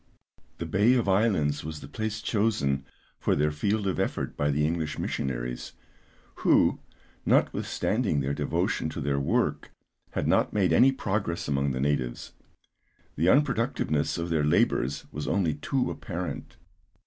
The Bay of Islands was the place chosen for their field of effort by the English missionaries, who, notwithstanding their devotion to their work had not made any progress among the natives. The unproductiveness of their labours was only too apparent.